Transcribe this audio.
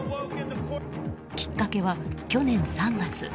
きっかけは去年３月。